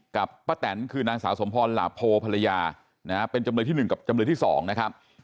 ป้าแตนคือนางสาวสมพรหลาโพภรรยานะฮะเป็นจำเลยที่๑กับจำเลยที่๒นะครับ